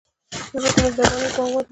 زړه د مهربانۍ باغوان دی.